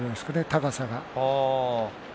高さが。